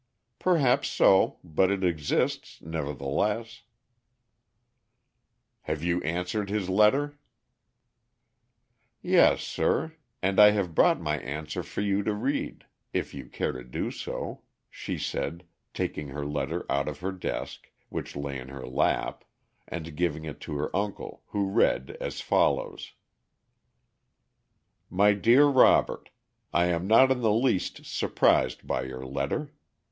"Perhaps so, but it exists nevertheless." "Have you answered his letter?" "Yes, sir; and I have brought my answer for you to read, if you care to do so," she said, taking her letter out of her desk, which lay in her lap, and giving it to her uncle, who read as follows: "MY DEAR ROBERT: I am not in the least surprised by your letter.